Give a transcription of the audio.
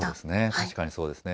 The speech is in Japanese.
確かにそうですね。